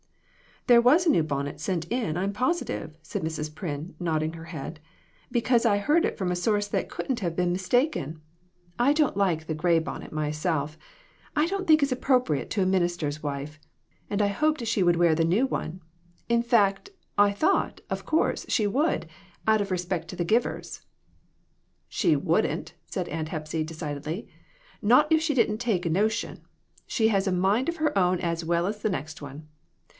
"There was a new bonnet sent in, I'm positive," said Mrs. Pryn, nodding her head; "because I heard it from a source that couldn't have been 150 DON'T REPEAT IT. mistaken. I don't like the gray bonnet myself; I don't think it's appropriate to a minister's wife, and I hoped she would wear the new one ; in fact, I thought, of course, she would, out of respect to the givers." "She wouldn't," said Aunt Hepsy, decidedly; "not if she didn't take a notion. She has a mind of her own as well as the next one.